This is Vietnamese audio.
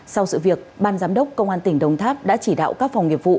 sau sự việc ban giám đốc công an tỉnh đồng tháp đã chỉ đạo các phòng nghiệp vụ